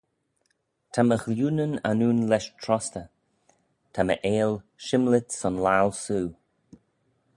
Ta my ghlioonyn annoon lesh trostey: ta my eill shymlit son laccal soo.